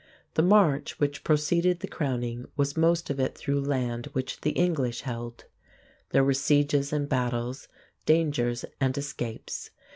The march which proceeded the crowning was most of it through land which the English held. There were sieges and battles, dangers and escapes.